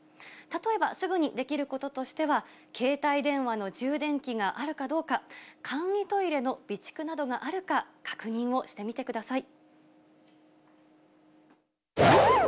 例えば、すぐにできることとしては、携帯電話の充電器があるかどうか、簡易トイレの備蓄などがあるか、確認をしてみてください。